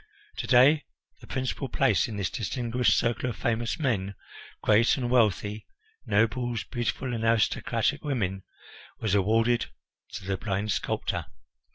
To day the principal place in this distinguished circle of famous men, great and wealthy nobles, beautiful and aristocratic women, was awarded to the blind sculptor.